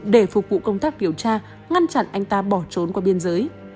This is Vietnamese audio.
để phục vụ công tác điều tra ngăn chặn anh ta bỏ trốn qua biên giới